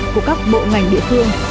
của các bộ ngành địa phương